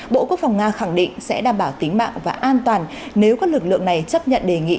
bộ quốc phòng nga khẳng định sẽ đảm bảo tính mạng và an toàn nếu các lực lượng này chấp nhận đề nghị